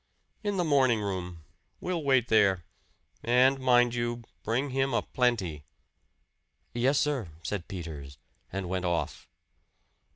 "In the morning room. We'll wait there. And mind you, bring him a plenty." "Yes, sir," said Peters, and went off.